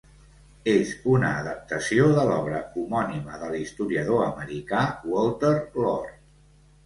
És una adaptació de l'obra homònima de l'historiador americà Walter Lord.